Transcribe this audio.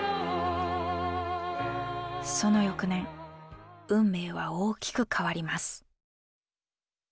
その翌年運命は大きく変わります。